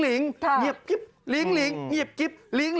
หยิบหยิบหยิบหยิบหยิบ